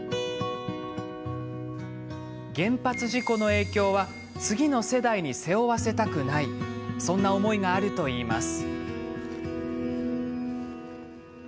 原発事故の影響は次の世代に背負わせたくないそんな思いがあるといいます。